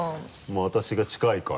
まぁ私が近いから。